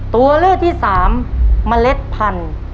ตัวเลือกที่สามเมล็ดพันธุ์